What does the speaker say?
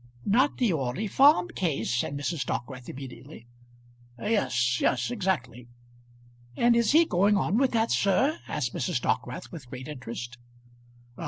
"Not the Orley Farm case?" said Mrs. Dockwrath immediately. "Yes, yes; exactly." "And is he going on with that, sir?" asked Mrs. Dockwrath with great interest.